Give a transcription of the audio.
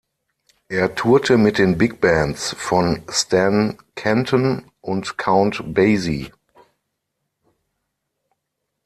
Er tourte mit den Bigbands von Stan Kenton und Count Basie.